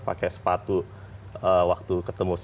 pakai sepatu waktu ketemu